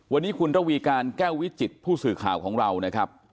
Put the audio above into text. วันนี้คุณระวีการแก้ววิจิตผู้สื่อข่าวของเรานะครับ